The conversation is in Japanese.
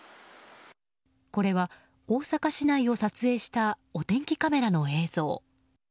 これは大阪市内を撮影したお天気カメラの映像。